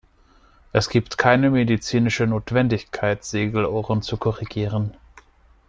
Es gibt keine medizinische Notwendigkeit, Segelohren zu korrigieren.